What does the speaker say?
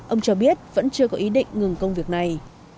ông cho biết vẫn chưa có ý định ngừng công việc này